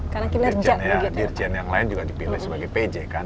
karena dirjen ya dirjen yang lain juga dipilih sebagai pj kan